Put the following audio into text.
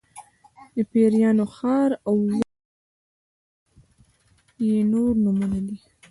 د پیریانو ښار او اووم عجایب یې نور نومونه دي.